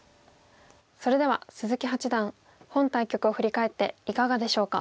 それでは鈴木八段本対局を振り返っていかがでしょうか？